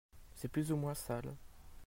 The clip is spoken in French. C'est plus ou moins sale.